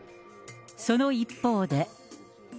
その一方で。